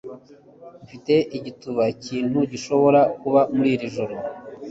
Mfite igituba ikintu gishobora kuba muri iri joro.